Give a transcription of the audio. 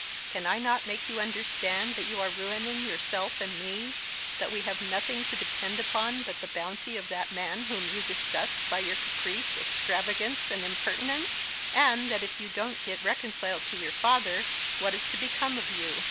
Can I not make you understand that you are ruining yourself and me; that we have nothing to depend upon but the bounty of that man whom you disgust by your caprice, extravagance, and impertinence; and that if you don't get reconciled to your father what is to become of you?